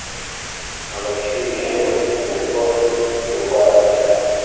abacishe umukoba mu rwasaya,